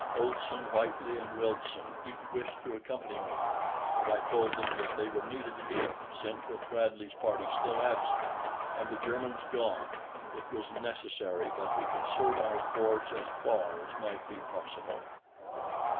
Olson, Whitely, and Wilson each wished to accompany me; but I told them that they were needed here, since with Bradley's party still absent and the Germans gone it was necessary that we conserve our force as far as might be possible.